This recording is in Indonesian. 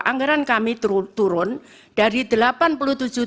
anggaran kami turun dari rp delapan puluh tujuh dua ratus tujuh puluh lima